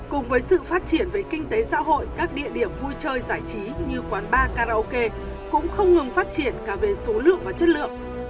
cùng với sự phát triển về kinh tế xã hội các địa điểm vui chơi giải trí như quán bar karaoke cũng không ngừng phát triển cả về số lượng và chất lượng